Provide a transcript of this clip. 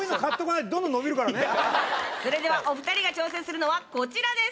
それではお二人が挑戦するのはこちらです！